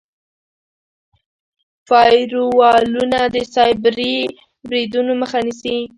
فایروالونه د سایبري بریدونو مخه نیسي.